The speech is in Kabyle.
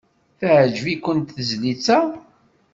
Teɛjeb-ikent tezlit-a?